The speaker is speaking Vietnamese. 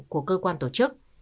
của cơ quan tổ chức